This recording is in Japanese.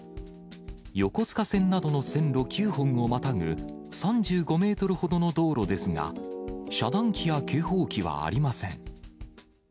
横須賀線などの線路９本をまたぐ３５メートルほどの道路ですが、遮断機や警報機はありません。